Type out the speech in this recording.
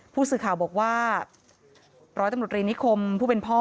ผู้สื่อข่าวบอกว่าร้อยตำรวจรีนิคมผู้เป็นพ่อ